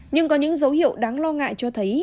nhưng có những dấu hiệu đáng lo ngại cho thấy